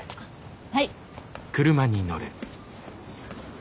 はい。